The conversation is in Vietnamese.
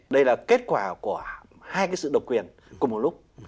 đây là kết quả của hai cái sự độc quyền cùng một lúc